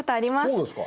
そうですか。